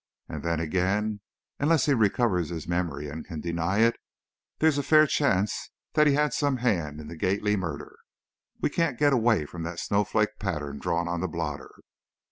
And then, again, unless he recovers his memory and can deny it, there's a fair chance that he had some hand in the Gately murder. We can't get away from that snowflake pattern drawn on the blotter.